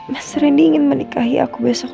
mas rendy ingin menikahi aku besok